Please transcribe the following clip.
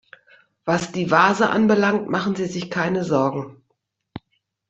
Was die Vase anbelangt, machen Sie sich keine Sorgen.